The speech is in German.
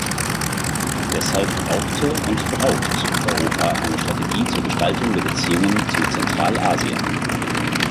Deshalb brauchte und braucht Europa eine Strategie zur Gestaltung der Beziehungen zu Zentralasien.